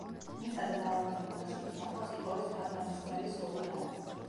მიწაზე დავარდნილი მასუდის ახლოს იპოვეს თავდამსხმელის ორი დანა.